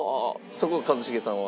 そこは一茂さんは？